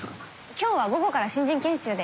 今日は午後から新人研修で。